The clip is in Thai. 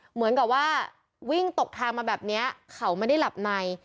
เหมือนกับว่าวิ่งตกทางมาแบบนี้เขาไม่ได้หลับใน